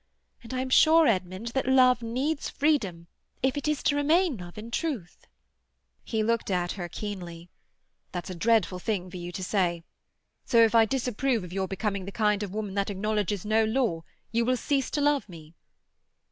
And I'm sure, Edmund, that love needs freedom if it is to remain love in truth." He looked at her keenly. "That's a dreadful thing for you to say. So, if I disapprove of your becoming the kind of woman that acknowledges no law, you will cease to love me?"